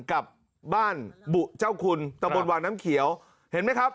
กับบ้านบุเจ้าคุณตะบนวังน้ำเขียวเห็นไหมครับ